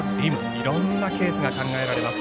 いろんなケースが考えられます。